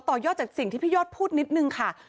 ต่อยอดจากสิ่งที่พี่ยอดพูดนิดนึงค่ะ